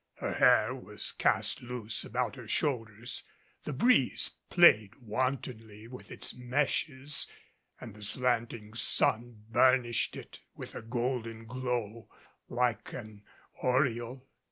Her hair was cast loose about her shoulders; the breeze played wantonly with its meshes, and the slanting sun burnished it with a golden glow like an aureole.